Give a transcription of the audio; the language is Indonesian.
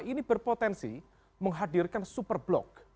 ini berpotensi menghadirkan super blok